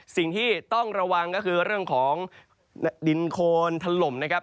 สิ่งที่ต้องระวังก็คือเรื่องของดินโคนถล่มนะครับ